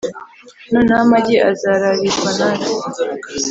noneho amagi azararirwa na nde?